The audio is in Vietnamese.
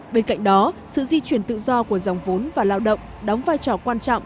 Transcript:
bên cạnh đó sự di chuyển tự do của dòng vốn và lao động đóng vai trò quan trọng